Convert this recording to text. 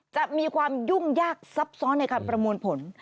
จะมีความยุ่งยากซับซ้อนในการประมวลผล